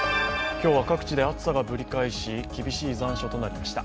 今日は各地で暑さがぶり返し、厳しい残暑となりました。